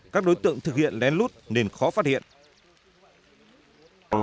các đối tượng thực hiện lén lút nên khó phá rừng